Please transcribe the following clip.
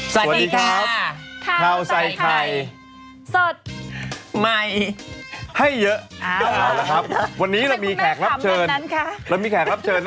สวัสดีครับข้าวใส่ไข่สดใหม่ให้เยอะครับวันนี้เรามีแขกรับเชิญ